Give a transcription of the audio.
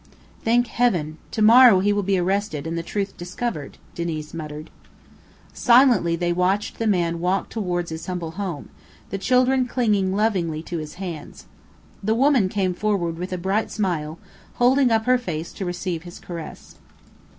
"Thank Heaven! To morrow he will be arrested and the truth discovered," Diniz muttered. Silently they watched the man walk towards his humble home, the children clinging lovingly to his hands. The woman came forward with a bright smile, holding up her face to receive his caress.